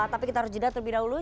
tapi kita harus jeda terlebih dahulu